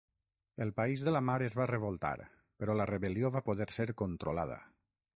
El País de la Mar es va revoltar però la rebel·lió va poder ser controlada.